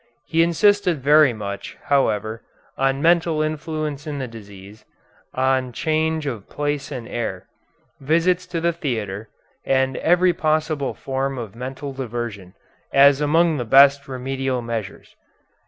He insisted very much, however, on mental influence in the disease, on change of place and air, visits to the theatre, and every possible form of mental diversion, as among the best remedial measures.